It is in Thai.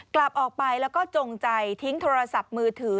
กลับออกไปแล้วก็จงใจทิ้งโทรศัพท์มือถือ